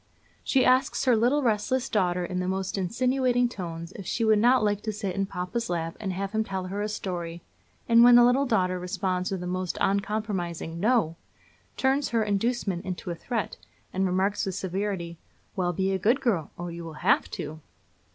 She asks her little restless daughter in the most insinuating tones if she would not like to sit in papa's lap and have him tell her a story; and when the little daughter responds with a most uncompromising 'no!' turns her inducement into a threat, and remarks with severity: 'Well, be a good girl, or you will have to!'